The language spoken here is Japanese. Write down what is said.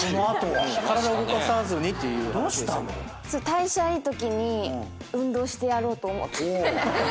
代謝いいときに運動してやろうと思って。